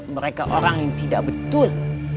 mereka orang yang tidak betul